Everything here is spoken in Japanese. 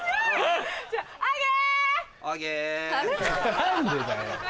何でだよ。